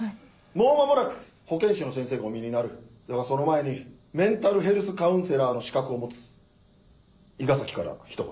もう間もなく保健師の先生がおみえになるだがその前にメンタルヘルスカウンセラーの資格を持つ伊賀崎からひと言。